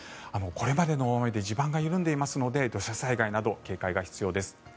これまでの大雨で地盤が緩んでいますので土砂災害など警戒が必要です。